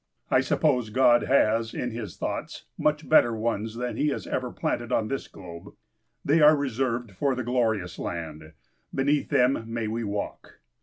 I suppose God has, in his thoughts, much better ones than he has ever planted on this globe. They are reserved for the glorious land. Beneath them may we walk!